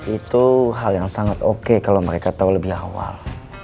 itu hal yang sangat oke kalau mereka tahu lebih awal